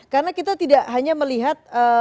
karena kita tidak hanya melihat